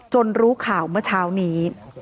รู้ข่าวเมื่อเช้านี้